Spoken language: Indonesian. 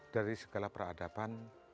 dari segala peradaban